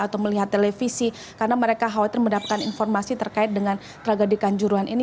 atau melihat televisi karena mereka khawatir mendapatkan informasi terkait dengan tragedi kanjuruhan ini